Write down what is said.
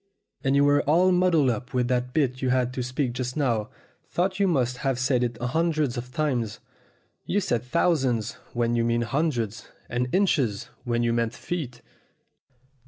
"And you were all muddled up with that bit you had to speak just now, though you must have said it hundreds of times. You said thousands when you meant hundreds, and inches when you meant feet.